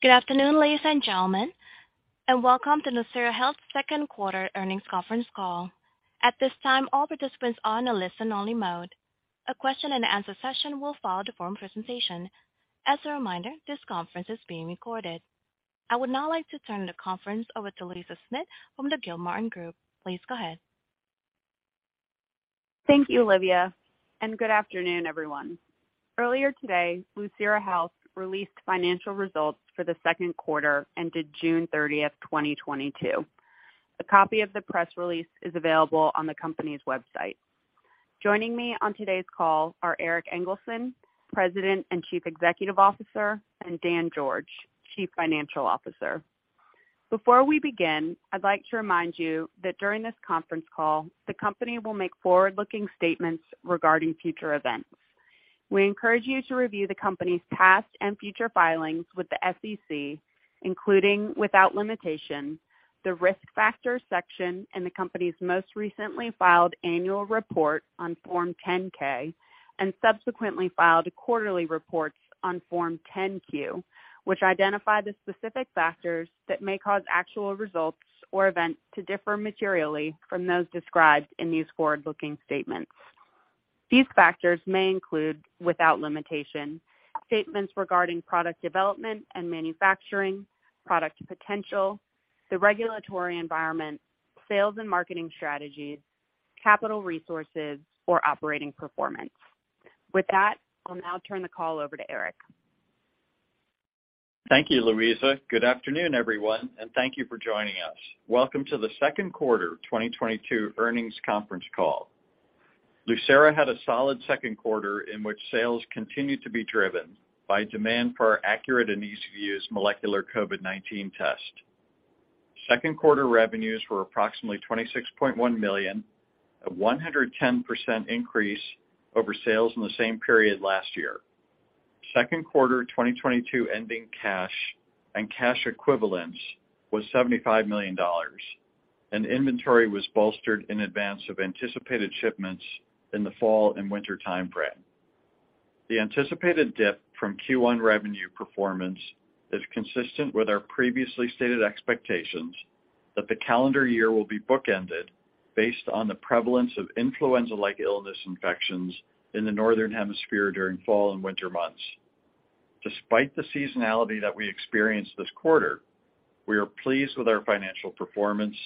Good afternoon, ladies and gentlemen, and welcome to Lucira Health's Second Quarter Earnings Conference Call. At this time, all participants are in a listen-only mode. A question-and-answer session will follow the formal presentation. As a reminder, this conference is being recorded. I would now like to turn the conference over to Louisa Smith from the Gilmartin Group. Please go ahead. Thank you, Olivia, and good afternoon, everyone. Earlier today, Lucira Health released financial results for the second quarter ending June 30, 2022. A copy of the press release is available on the company's website. Joining me on today's call are Erik Engelson, President and Chief Executive Officer, and Dan George, Chief Financial Officer. Before we begin, I'd like to remind you that during this conference call, the company will make forward-looking statements regarding future events. We encourage you to review the company's past and future filings with the SEC, including, without limitation, the Risk Factors section in the company's most recently filed annual report on Form 10-K and subsequently filed quarterly reports on Form 10-Q, which identify the specific factors that may cause actual results or events to differ materially from those described in these forward-looking statements. These factors may include, without limitation, statements regarding product development and manufacturing, product potential, the regulatory environment, sales and marketing strategies, capital resources, or operating performance. With that, I'll now turn the call over to Erik. Thank you, Louisa. Good afternoon, everyone, and thank you for joining us. Welcome to the second quarter 2022 earnings conference call. Lucira had a solid second quarter in which sales continued to be driven by demand for our accurate and easy-to-use molecular COVID-19 test. Second quarter revenues were approximately $26.1 million, a 110% increase over sales in the same period last year. Second quarter 2022 ending cash and cash equivalents was $75 million and inventory was bolstered in advance of anticipated shipments in the fall and winter timeframe. The anticipated dip from Q1 revenue performance is consistent with our previously stated expectations that the calendar year will be bookended based on the prevalence of influenza-like illness infections in the Northern Hemisphere during fall and winter months. Despite the seasonality that we experienced this quarter, we are pleased with our financial performance,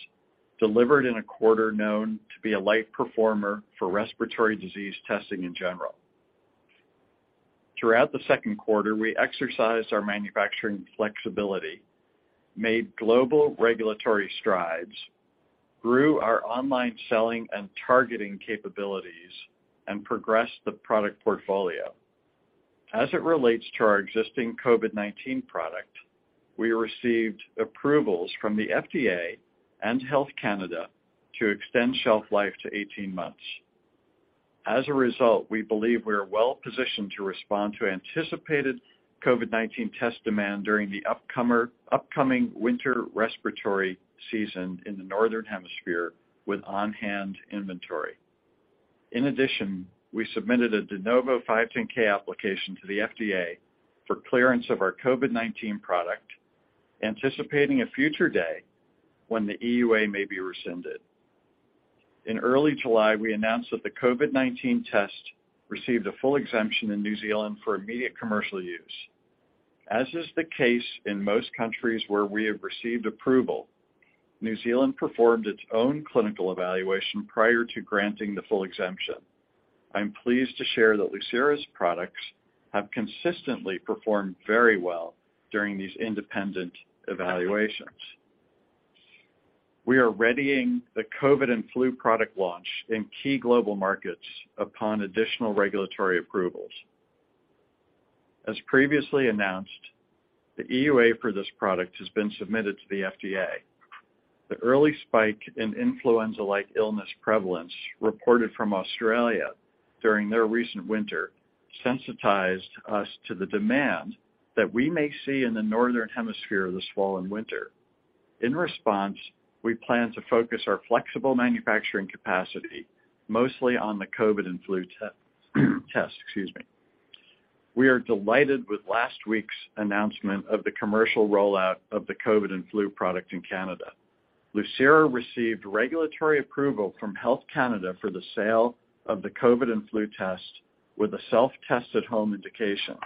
delivered in a quarter known to be a light performer for respiratory disease testing in general. Throughout the second quarter, we exercised our manufacturing flexibility, made global regulatory strides, grew our online selling and targeting capabilities, and progressed the product portfolio. As it relates to our existing COVID-19 product, we received approvals from the FDA and Health Canada to extend shelf life to 18 months. As a result, we believe we are well-positioned to respond to anticipated COVID-19 test demand during the upcoming winter respiratory season in the Northern Hemisphere with on-hand inventory. In addition, we submitted a De Novo 510(k) application to the FDA for clearance of our COVID-19 product, anticipating a future day when the EUA may be rescinded. In early July, we announced that the COVID-19 test received a full exemption in New Zealand for immediate commercial use. As is the case in most countries where we have received approval, New Zealand performed its own clinical evaluation prior to granting the full exemption. I'm pleased to share that Lucira's products have consistently performed very well during these independent evaluations. We are readying the COVID and flu product launch in key global markets upon additional regulatory approvals. As previously announced, the EUA for this product has been submitted to the FDA. The early spike in influenza-like illness prevalence reported from Australia during their recent winter sensitized us to the demand that we may see in the Northern Hemisphere this fall and winter. In response, we plan to focus our flexible manufacturing capacity mostly on the COVID and flu test. We are delighted with last week's announcement of the commercial rollout of the COVID and flu product in Canada. Lucira received regulatory approval from Health Canada for the sale of the COVID and flu test with a self-test at home indication.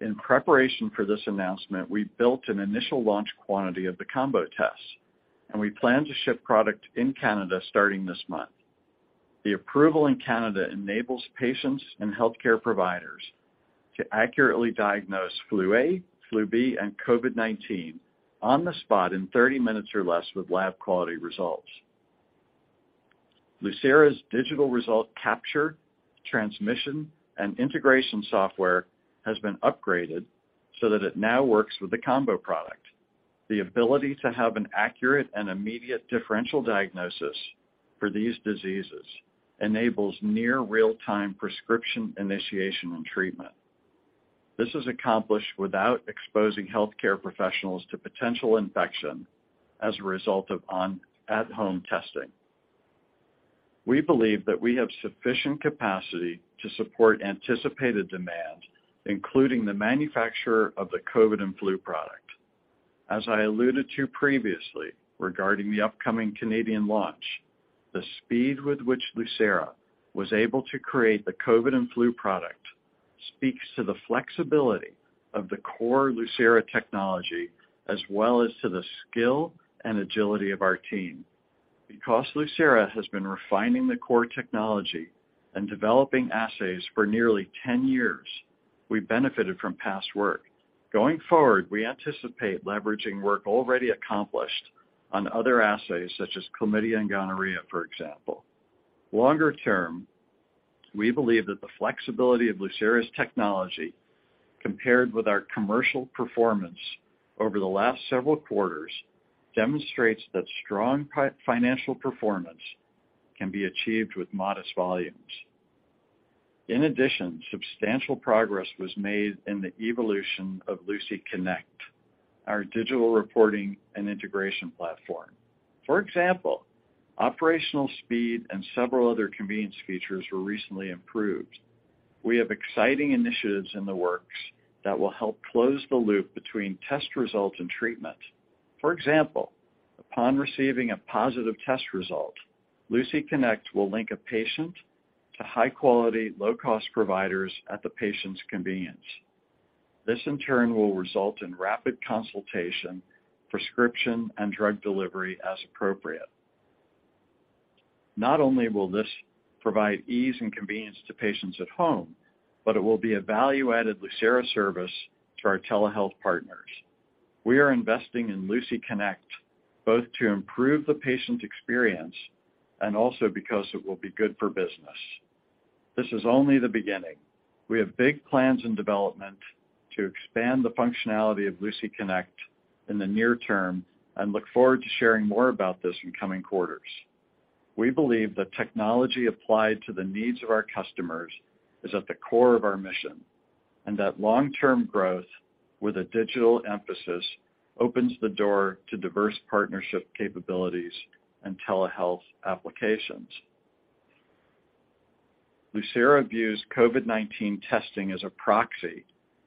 In preparation for this announcement, we built an initial launch quantity of the combo tests, and we plan to ship product in Canada starting this month. The approval in Canada enables patients and healthcare providers to accurately diagnose flu-A, flu-B, and COVID-19 on the spot in 30 minutes or less with lab-quality results. Lucira's digital result capture, transmission, and integration software has been upgraded so that it now works with the combo product. The ability to have an accurate and immediate differential diagnosis for these diseases enables near real-time prescription initiation and treatment. This is accomplished without exposing healthcare professionals to potential infection as a result of at-home testing. We believe that we have sufficient capacity to support anticipated demand, including the manufacture of the COVID and flu product. As I alluded to previously regarding the upcoming Canadian Launch, the speed with which Lucira was able to create the COVID and flu product speaks to the flexibility of the core Lucira technology, as well as to the skill and agility of our team. Because Lucira has been refining the core technology and developing assays for nearly 10 years, we benefited from past work. Going forward, we anticipate leveraging work already accomplished on other assays such as chlamydia and gonorrhea, for example. Longer term, we believe that the flexibility of Lucira's technology, compared with our commercial performance over the last several quarters, demonstrates that strong financial performance can be achieved with modest volumes. In addition, substantial progress was made in the evolution of Lucira Connect, our digital reporting and integration platform. For example, operational speed and several other convenience features were recently improved. We have exciting initiatives in the works that will help close the loop between test results and treatment. For example, upon receiving a positive test result, Lucira Connect will link a patient to high-quality, low-cost providers at the patient's convenience. This, in turn, will result in rapid consultation, prescription, and drug delivery as appropriate. Not only will this provide ease and convenience to patients at home, but it will be a value-added Lucira service to our telehealth partners. We are investing in Lucira Connect both to improve the patient experience and also because it will be good for business. This is only the beginning. We have big plans in development to expand the functionality of Lucira Connect in the near term and look forward to sharing more about this in coming quarters. We believe that technology applied to the needs of our customers is at the core of our mission, and that long-term growth with a digital emphasis opens the door to diverse partnership capabilities and telehealth applications. Lucira views COVID-19 testing as a proxy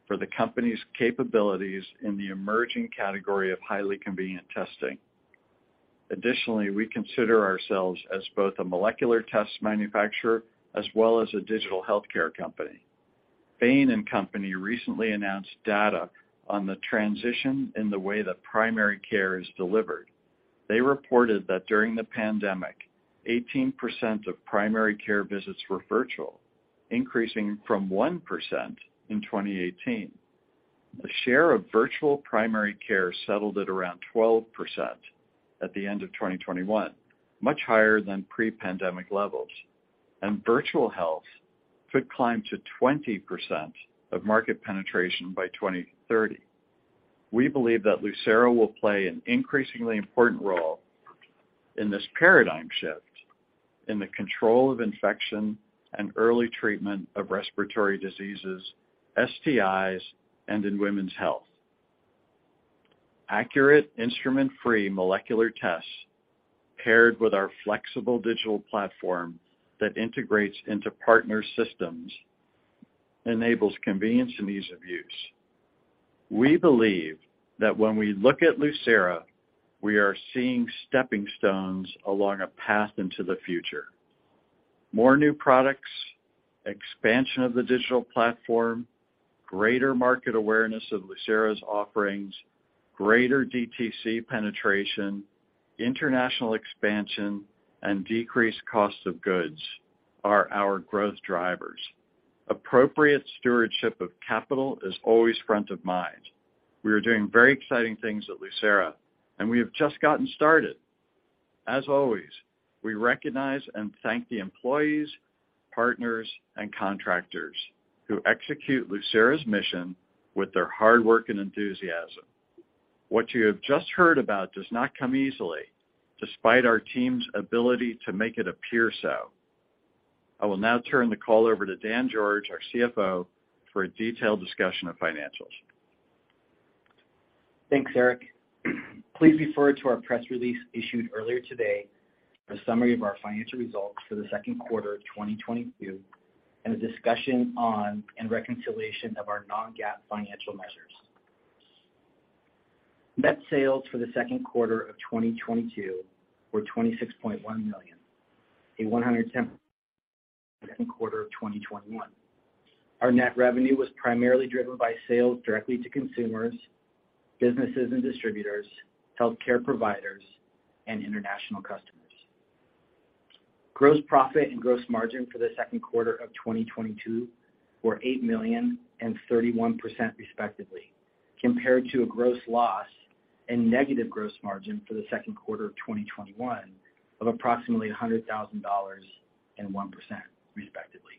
for the company's capabilities in the emerging category of highly convenient testing. Additionally, we consider ourselves as both a molecular test manufacturer as well as a digital healthcare company. Bain & Company recently announced data on the transition in the way that primary care is delivered. They reported that during the pandemic, 18% of primary care visits were virtual, increasing from 1% in 2018. The share of virtual primary care settled at around 12% at the end of 2021, much higher than pre-pandemic levels. Virtual health could climb to 20% of market penetration by 2030. We believe that Lucira will play an increasingly important role in this paradigm shift in the control of infection and early treatment of respiratory diseases, STIs, and in women's health. Accurate instrument-free molecular tests paired with our flexible digital platform that integrates into partner systems enables convenience and ease of use. We believe that when we look at Lucira, we are seeing stepping stones along a path into the future. More new products, expansion of the digital platform, greater market awareness of Lucira's offerings, greater DTC penetration, international expansion, and decreased cost of goods are our growth drivers. Appropriate stewardship of capital is always front of mind. We are doing very exciting things at Lucira, and we have just gotten started. As always, we recognize and thank the employees, partners, and contractors who execute Lucira's mission with their hard work and enthusiasm. What you have just heard about does not come easily, despite our team's ability to make it appear so. I will now turn the call over to Dan George, our CFO, for a detailed discussion of financials. Thanks, Erik. Please refer to our press release issued earlier today for a summary of our financial results for the second quarter of 2022 and a discussion on and reconciliation of our non-GAAP financial measures. Net sales for the second quarter of 2022 were $26.1 million, up 110% from the second quarter of 2021. Our net revenue was primarily driven by sales directly to consumers, businesses and distributors, healthcare providers, and international customers. Gross profit and gross margin for the second quarter of 2022 were $8 million and 31% respectively, compared to a gross loss and negative gross margin for the second quarter of 2021 of approximately $100,000 and 1% respectively.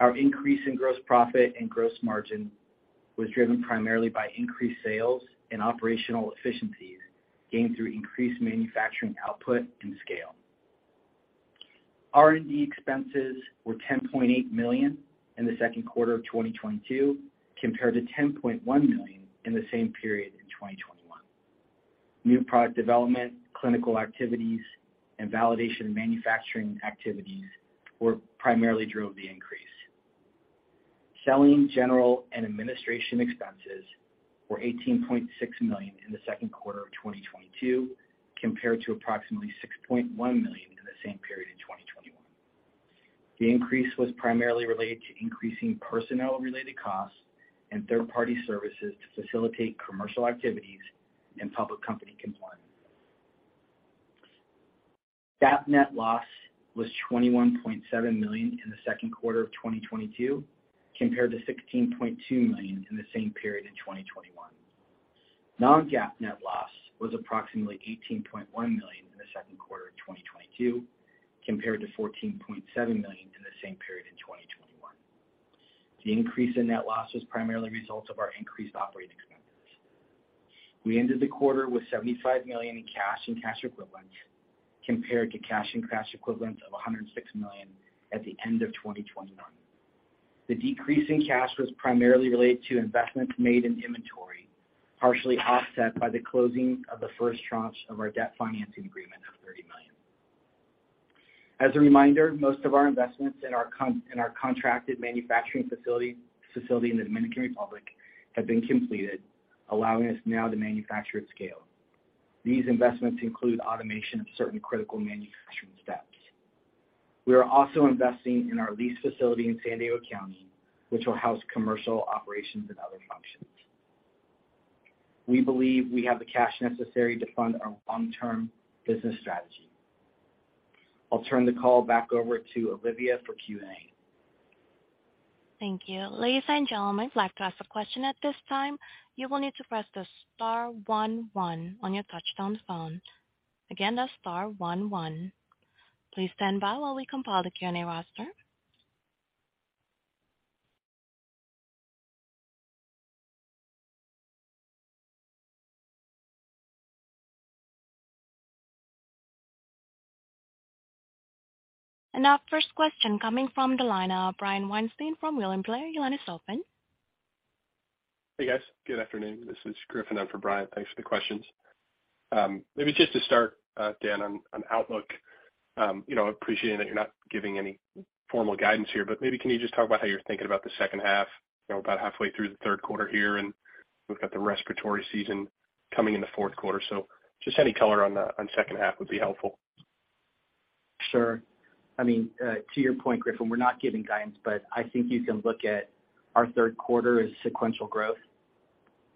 Our increase in gross profit and gross margin was driven primarily by increased sales and operational efficiencies gained through increased manufacturing output and scale. R&D expenses were $10.8 million in the second quarter of 2022, compared to $10.1 million in the same period in 2021. New product development, clinical activities, and validation and manufacturing activities were primarily drove the increase. Selling, general and administration expenses were $18.6 million in the second quarter of 2022 compared to approximately $6.1 million in the same period in 2021. The increase was primarily related to increasing personnel-related costs and third-party services to facilitate commercial activities and public company compliance. GAAP net loss was $21.7 million in the second quarter of 2022 compared to $16.2 million in the same period in 2021. Non-GAAP net loss was approximately $18.1 million in the second quarter of 2022 compared to $14.7 million in the same period in 2021. The increase in net loss was primarily results of our increased operating expenses. We ended the quarter with $75 million in cash and cash equivalents compared to cash and cash equivalents of $106 million at the end of 2021. The decrease in cash was primarily related to investments made in inventory, partially offset by the closing of the first tranche of our debt financing agreement of $30 million. As a reminder, most of our investments in our contracted manufacturing facility in the Dominican Republic have been completed, allowing us now to manufacture at scale. These investments include automation of certain critical manufacturing steps. We are also investing in our leased facility in San Diego County, which will house commercial operations and other functions. We believe we have the cash necessary to fund our long-term business strategy. I'll turn the call back over to Olivia for Q&A. Thank you. Ladies and gentlemen, if you'd like to ask a question at this time, you will need to press the star one one on your touchtone phone. Again, that's star one one. Please stand by while we compile the Q&A roster. Our first question coming from the line of Brian Weinstein from William Blair. Your line is open. Hey, guys. Good afternoon. This is Griffin in for Brian. Thanks for the questions. Maybe just to start, Dan, on outlook, you know, appreciating that you're not giving any formal guidance here, but maybe can you just talk about how you're thinking about the second half, you know, about halfway through the third quarter here, and we've got the respiratory season coming in the fourth quarter. Just any color on the second half would be helpful. Sure. I mean, to your point, Griffin, we're not giving guidance, but I think you can look at our third quarter as sequential growth,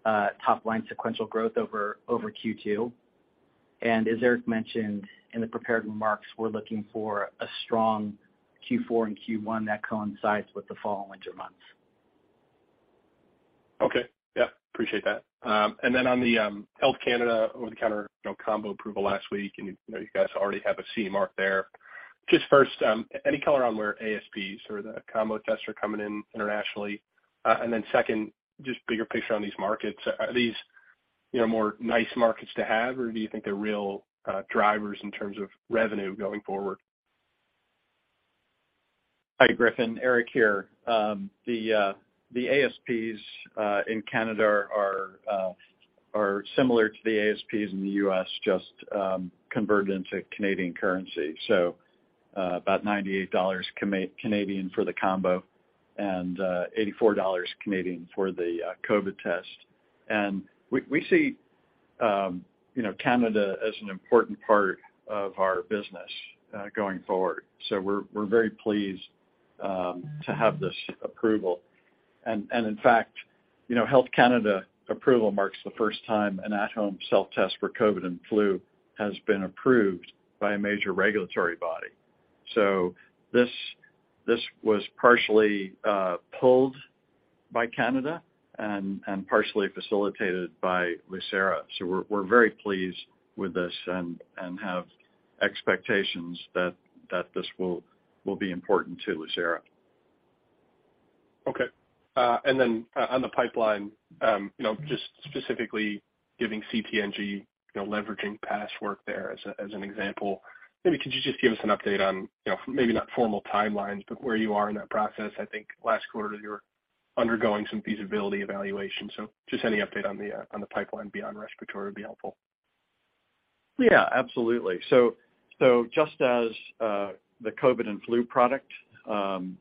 top line sequential growth over Q2. As Erik mentioned in the prepared remarks, we're looking for a strong Q4 and Q1 that coincides with the fall and winter months. Okay. Yeah, appreciate that. Then on the Health Canada over-the-counter, you know, combo approval last week, and you know, you guys already have a CE Mark there. Just first, any color on where ASPs or the combo tests are coming in internationally? Then second, just bigger picture on these markets. Are these, you know, more nice markets to have, or do you think they're real drivers in terms of revenue going forward? Hi, Griffin, Erik here. The ASPs in Canada are similar to the ASPs in the US just converted into Canadian currency. About 98 Canadian dollars for the combo and 84 Canadian dollars for the COVID test. We see, you know, Canada as an important part of our business going forward. We're very pleased to have this approval. In fact, you know, Health Canada approval marks the first time an at-home self-test for COVID and flu has been approved by a major regulatory body. This was partially pulled by Canada and partially facilitated by Lucira. We're very pleased with this and have expectations that this will be important to Lucira. Okay. On the pipeline, you know, just specifically giving CT/GC, you know, leveraging past work there as an example. Maybe could you just give us an update on, you know, maybe not formal timelines, but where you are in that process? I think last quarter you were undergoing some feasibility evaluation. Just any update on the pipeline beyond respiratory would be helpful. Yeah, absolutely. Just as the COVID and flu product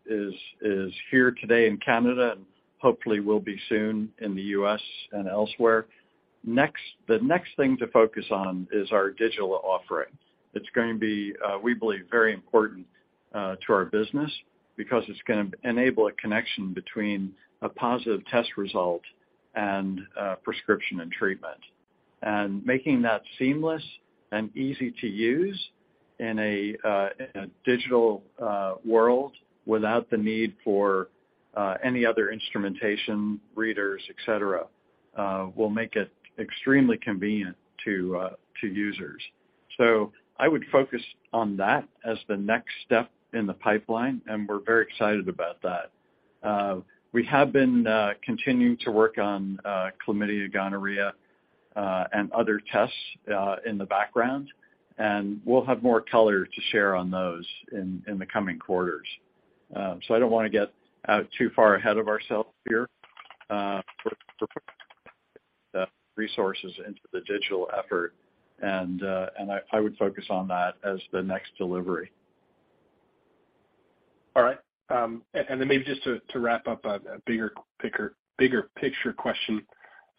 is here today in Canada and hopefully will be soon in the U.S. and elsewhere. The next thing to focus on is our digital offering. It's going to be, we believe, very important to our business because it's gonna enable a connection between a positive test result and prescription and treatment. Making that seamless and easy to use in a digital world without the need for any other instrumentation, readers, et cetera, will make it extremely convenient to users. I would focus on that as the next step in the pipeline, and we're very excited about that. We have been continuing to work on chlamydia, gonorrhea, and other tests in the background, and we'll have more color to share on those in the coming quarters. I don't wanna get too far ahead of ourselves here for resources into the digital effort. I would focus on that as the next delivery. All right. Maybe just to wrap up a bigger picture question,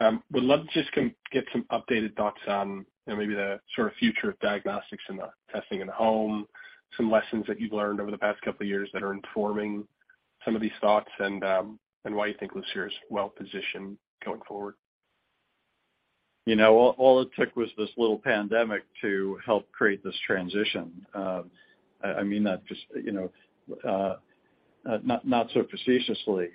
would love to just get some updated thoughts on, you know, maybe the sort of future of diagnostics and the testing in the home, some lessons that you've learned over the past couple of years that are informing some of these thoughts, and why you think Lucira is well-positioned going forward. You know, all it took was this little pandemic to help create this transition. I mean that just, you know, not so facetiously.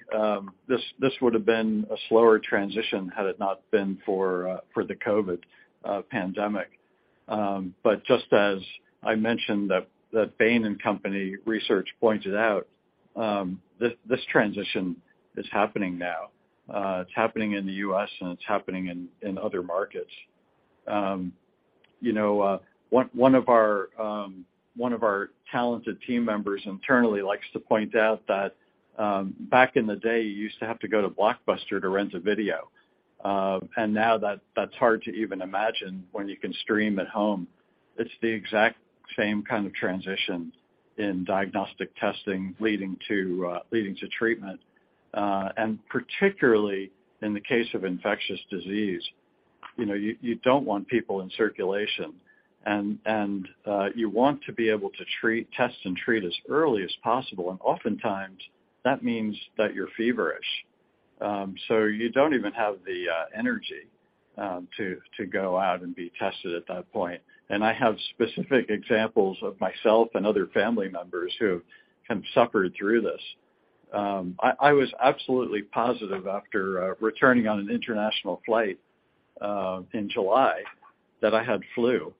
This would have been a slower transition had it not been for the COVID pandemic. Just as I mentioned that Bain & Company research pointed out, this transition is happening now. It's happening in the U.S., and it's happening in other markets. You know, one of our talented team members internally likes to point out that, back in the day, you used to have to go to Blockbuster to rent a video. Now that's hard to even imagine when you can stream at home. It's the exact same kind of transition in diagnostic testing leading to treatment. Particularly in the case of infectious disease, you know, you don't want people in circulation. You want to be able to treat, test and treat as early as possible. Oftentimes, that means that you're feverish. You don't even have the energy to go out and be tested at that point. I have specific examples of myself and other family members who have kind of suffered through this. I was absolutely positive after returning on an international flight in July that I had flu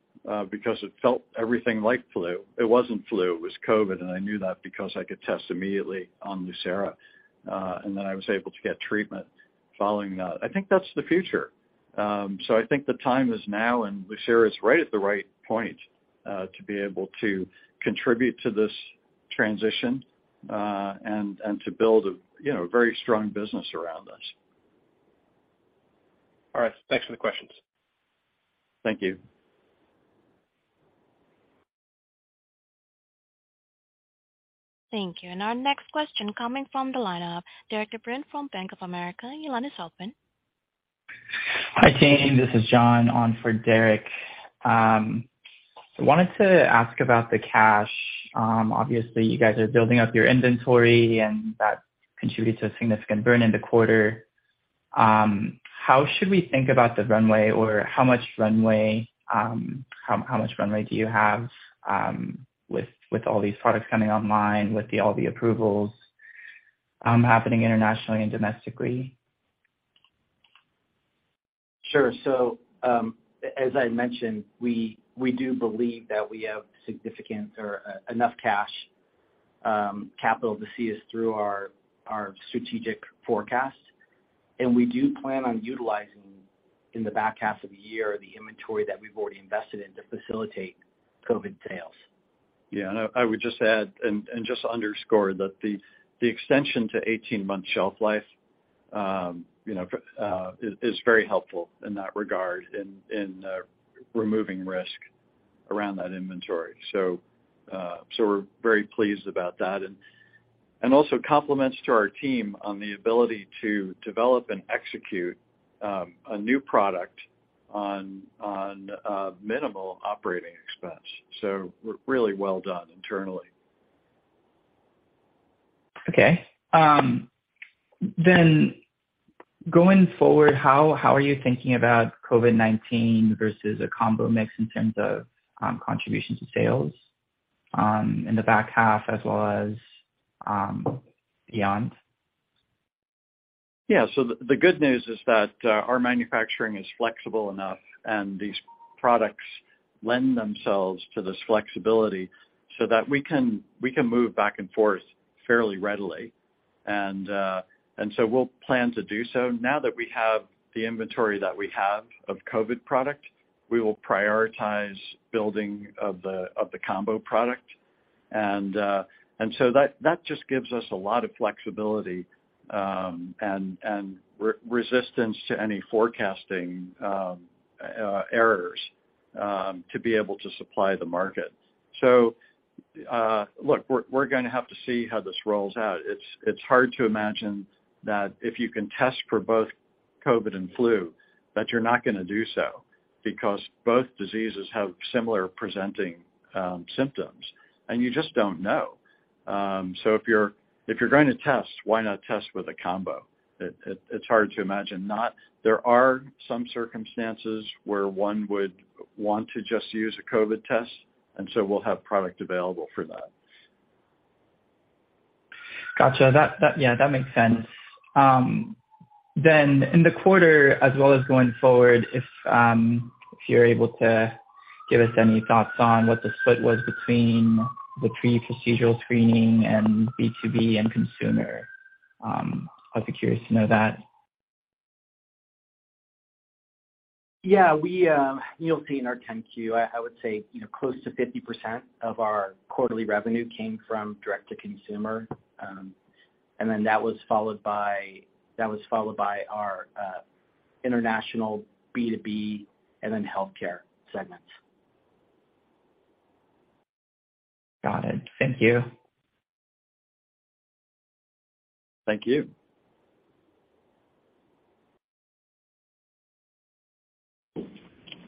because it felt everything like flu. It wasn't flu, it was COVID, and I knew that because I could test immediately on Lucira, and then I was able to get treatment following that. I think that's the future. I think the time is now, and Lucira is right at the right point to be able to contribute to this transition, and to build a, you know, very strong business around us. All right. Thanks for the questions. Thank you. Thank you. Our next question coming from the lineup, Derik de Bruin from Bank of America, your line is open. Hi, team. This is John on for Derik de Bruin. I wanted to ask about the cash. Obviously you guys are building up your inventory, and that contributes a significant burn in the quarter. How should we think about the runway or how much runway do you have with all these products coming online, with all the approvals happening internationally and domestically? Sure. As I mentioned, we do believe that we have significant or enough cash capital to see us through our strategic forecast. We do plan on utilizing in the back half of the year the inventory that we've already invested in to facilitate COVID sales. Yeah. I would just add and just underscore that the extension to 18-month shelf life, you know, is very helpful in that regard in removing risk around that inventory. We're very pleased about that. Also compliments to our team on the ability to develop and execute a new product on minimal operating expense. Really well done internally. Going forward, how are you thinking about COVID-19 versus a combo mix in terms of contributions to sales in the back half as well as beyond? Yeah. So the good news is that our manufacturing is flexible enough and these products lend themselves to this flexibility so that we can move back and forth fairly readily. We'll plan to do so. Now that we have the inventory that we have of COVID product, we will prioritize building of the combo product. That just gives us a lot of flexibility and resiliency to any forecasting errors to be able to supply the market. Look, we're gonna have to see how this rolls out. It's hard to imagine that if you can test for both COVID and flu, that you're not gonna do so because both diseases have similar presenting symptoms, and you just don't know. If you're going to test, why not test with a combo? It's hard to imagine not. There are some circumstances where one would want to just use a COVID test, and so we'll have product available for that. Gotcha. Yeah, that makes sense. In the quarter as well as going forward, if you're able to give us any thoughts on what the split was between the pre-procedural screening and B2B and consumer, I'd be curious to know that. You'll see in our 10-Q, I would say, you know, close to 50% of our quarterly revenue came from direct to consumer. That was followed by our international B2B and then healthcare segments. Got it. Thank you. Thank you.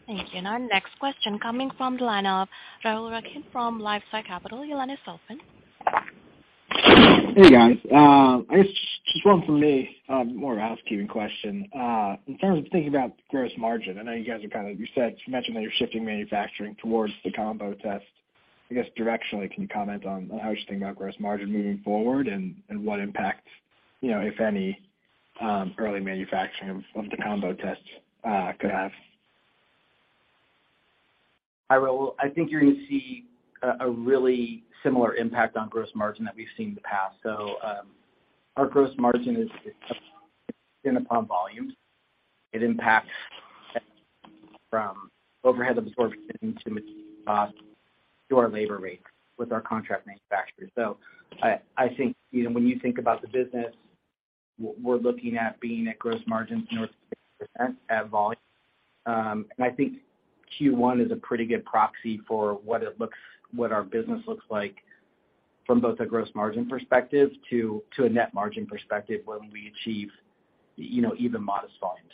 Thank you. Our next question coming from the line of Rahul Rakhit from LifeSci Capital. Your line is open. Hey, guys. I guess just one from me, more of a housekeeping question. In terms of thinking about gross margin, I know you said, you mentioned that you're shifting manufacturing towards the combo test. I guess directionally, can you comment on how you're thinking about gross margin moving forward and what impact, you know, if any, early manufacturing of the combo tests could have? Hi, Rahul. I think you're gonna see a really similar impact on gross margin that we've seen in the past. Our gross margin is dependent upon volume. It impacts from overhead absorption to materials costs to our labor rates with our contract manufacturers. I think, you know, when you think about the business, we're looking at being at gross margins north of 60% at volume. I think Q1 is a pretty good proxy for what our business looks like from both a gross margin perspective to a net margin perspective when we achieve, you know, even modest volumes.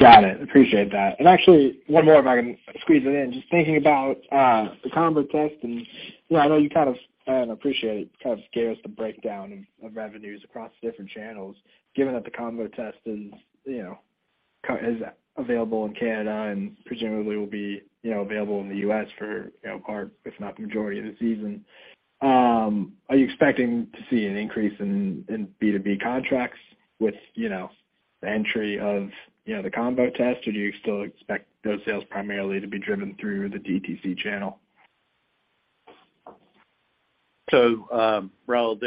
Got it. Appreciate that. Actually, one more if I can squeeze it in. Just thinking about the combo test, and you know, I know you kind of already gave us the breakdown of revenues across the different channels. Given that the combo test is, you know, is available in Canada and presumably will be, you know, available in the U.S. for, you know, part, if not the majority of the season, are you expecting to see an increase in B2B contracts with, you know, the entry of, you know, the combo test? Or do you still expect those sales primarily to be driven through the DTC channel? Rahul,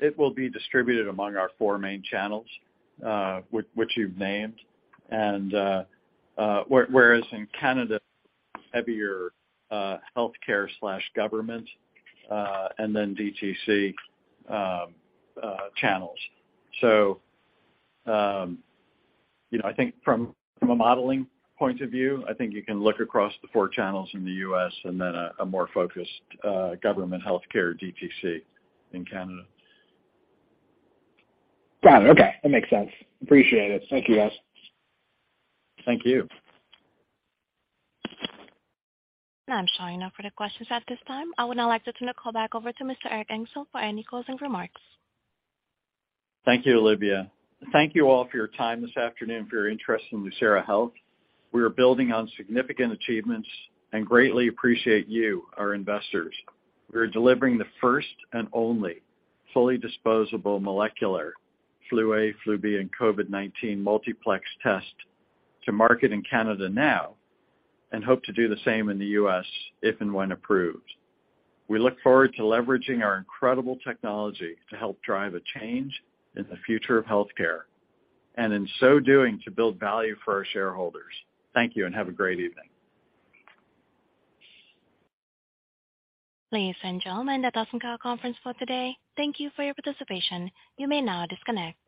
it will be distributed among our four main channels, which you've named. Whereas in Canada, heavier healthcare/government and then DTC channels. You know, I think from a modeling point of view, I think you can look across the four channels in the U.S. and then a more focused government healthcare DTC in Canada. Got it. Okay. That makes sense. Appreciate it. Thank you, guys. Thank you. I'm showing no further questions at this time. I would now like to turn the call back over to Mr. Erik Engelson for any closing remarks. Thank you, Olivia. Thank you all for your time this afternoon, for your interest in Lucira Health. We are building on significant achievements and greatly appreciate you, our investors. We are delivering the first and only fully disposable molecular flu-A, flu-B, and COVID-19 multiplex test to market in Canada now and hope to do the same in the U.S. if and when approved. We look forward to leveraging our incredible technology to help drive a change in the future of healthcare, and in so doing, to build value for our shareholders. Thank you, and have a great evening. Ladies and gentlemen, that does end our conference for today. Thank you for your participation. You may now disconnect.